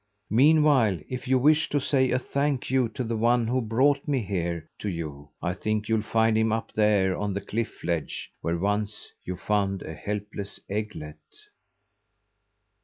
"Meanwhile, if you wish to say a 'thank you' to the one who brought me here to you, I think you'll find him up there on the cliff ledge, where once you found a helpless eaglet."